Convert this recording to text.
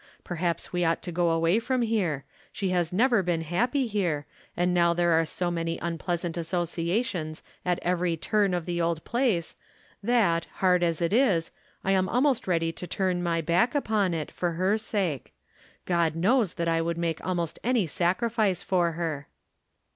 Perhaps we ought to go away from here ; she has never been happy here, and now there are so many unpleas ant associations at every turn of the old place that, hard as it is, I am almost ready to turn my 354 From Different Standpoints. back upon it, for her sake. God knows that I would make almost any sacrifice for her."